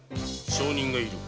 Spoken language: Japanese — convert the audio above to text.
証人がいる。